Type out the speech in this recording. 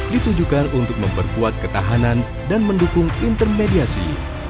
ditujukan untuk memperkuat ketahanan dan mendukung intermediasi